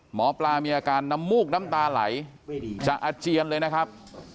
หมอปลามีอาการน้ำมูกน้ำตาไหลจะอาเจียนเลยนะครับ